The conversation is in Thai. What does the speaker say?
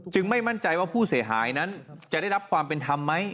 ไม่มั่นใจว่าผู้เสียหายนั้นจะได้รับความเป็นธรรมไหม